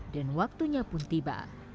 dan waktunya pun tiba